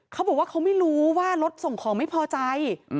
เขาบอกว่าเขาไม่รู้ว่ารถส่งของไม่พอใจ